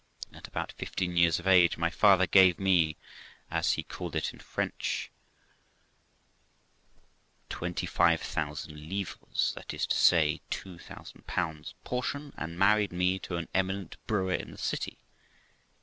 At about fifteen years of age, my father gave me, as he called it in French, 25,000 livres, that is to say, two thousand pounds portion, and married me to an eminent brewer in the city.